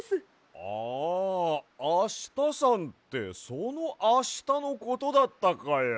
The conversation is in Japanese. ああしたさんってそのあしたのことだったかや。